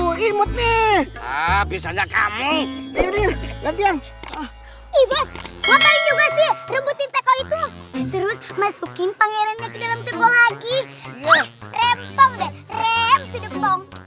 lakukan itu terus mas buqin pangerannya ke dalam tepung lagi rempong rempong